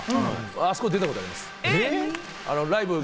あそこで出たことあります。